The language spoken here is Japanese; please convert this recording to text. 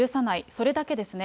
それだけですね。